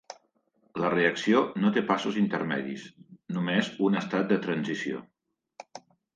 La reacció no té passos intermedis, només un estat de transició.